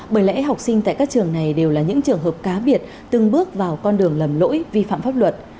bởi lẽ học sinh tại các trường này đều là những trường hợp cá biệt từng bước vào con đường lầm lỗi vi phạm pháp luật